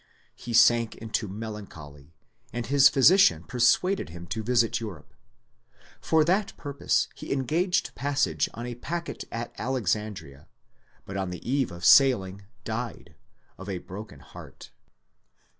He sank into melan choly, and his physician persuaded him to visit Europe. For that purpose he engaged passage on a packet at Alexandria, but on the eve of sailing died — of a broken heart.